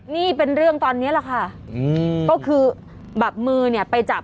นี่เป็นเรื่องตอนนี้แหละค่ะก็คือแบบมือเนี่ยไปจับ